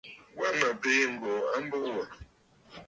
Wa mə̀ biì ŋ̀gòò a mbo wò.